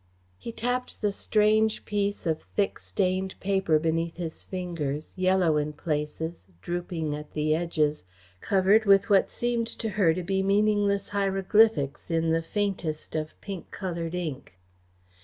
He tapped the strange piece of thick, stained paper beneath his fingers, yellow in places, drooping at the edges, covered with what seemed to her to be meaningless hieroglyphics in the faintest of pink coloured ink.